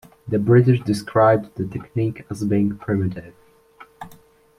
The British described the technique as being "primitive".